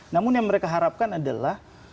namun yang mereka harapkan adalah